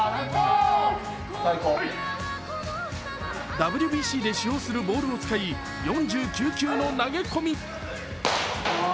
ＷＢＣで使用するボールを使い４９球の投げ込み。